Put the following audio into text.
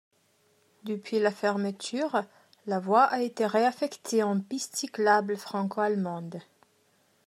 Depuis la fermeture la voie a été réaffectée en piste cyclable franco-allemande.